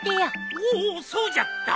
おおそうじゃった。